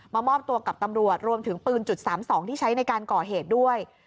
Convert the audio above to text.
มอบตัวกับตำรวจรวมถึงปืนจุด๓๒ที่ใช้ในการก่อเหตุด้วย